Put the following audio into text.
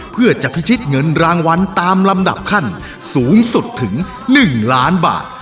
เพื่อจะพิชิตเงินรางวัลตามลำดับขั้นสูงสุดถึง๑ล้านบาท